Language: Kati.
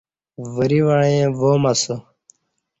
وری وعیں وام اسہ